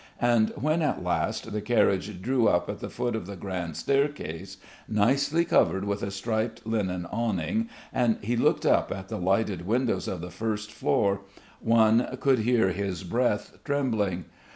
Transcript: And when at last the carriage drew up at the foot of the grand staircase, nicely covered with a striped linen awning and he looked up at the lighted windows of the first floor one could hear his breath trembling.